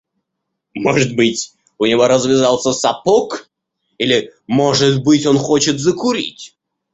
Может быть, у него развязался сапог или, может быть, он хочет закурить.